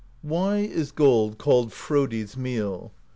"Why is gold called Frodi's Meal?